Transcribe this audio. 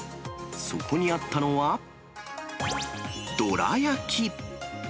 そこにあったのは、どら焼き。